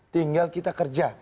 tinggal kita kerja